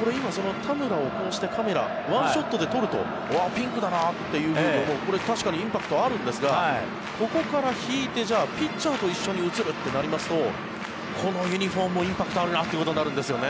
これ、今田村をこうしてカメラ１ショットで撮るとわあ、ピンクだなと思うこれは確かにインパクトはあるんですがここから引いてじゃあピッチャーと一緒に映るとなりますとこのユニホームもインパクトあるなということになるんですよね。